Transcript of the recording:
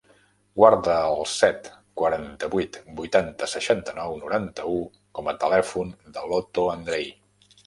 Guarda el set, quaranta-vuit, vuitanta, seixanta-nou, noranta-u com a telèfon de l'Oto Andrei.